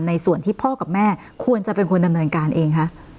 ในส่วนที่พ่อกับแม่ควรจะเป็นคนดำเนินการเองคะ